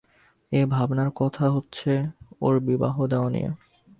এখন ভাবনার কথা হচ্ছে ওর বিবাহ দেওয়া নিয়ে।